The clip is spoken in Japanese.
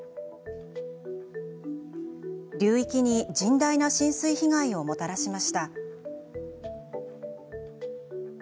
流域に甚大な浸水被害をもたらしました。